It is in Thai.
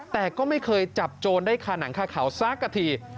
แต่ก็ไม่เคยจับโจรได้คาหนังคาเขาสักกะที